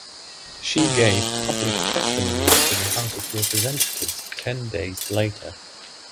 She gave public testimony to the House of Representatives ten days later.